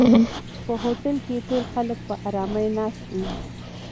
په هوټل کې ټول خلک په آرامۍ ناست وو.